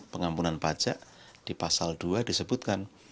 pengampunan pajak di pasal dua disebutkan